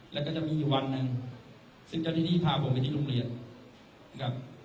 แล้วก็จะมีวันหนึ่งซึ่งเจ้าหน้าที่พาผมไปที่โรงเรียนครับ